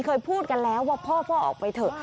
เคยพูดกันแล้วว่าพ่อออกไปเถอะ